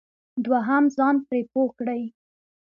دوهم ځان پرې پوه کړئ.